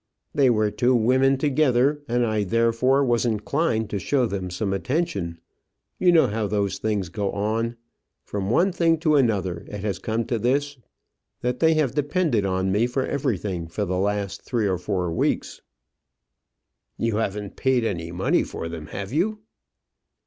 "They were two women together, and I therefore was inclined to show them some attention. You know how those things go on. From one thing to another it has come to this, that they have depended on me for everything for the last three or four weeks." "You haven't paid any money for them, have you?"